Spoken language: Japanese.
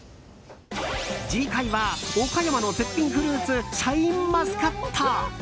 次回は岡山の絶品フルーツシャインマスカット。